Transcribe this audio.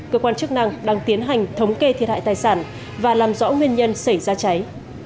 cơ quan chức năng đang tiến hành thống kê thiệt hại tài sản và làm rõ nguyên nhân xảy ra cháy